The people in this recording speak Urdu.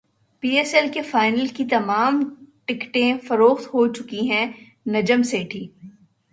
پی ایس ایل کے فائنل کی تمام ٹکٹیں فروخت ہوچکی ہیں نجم سیٹھی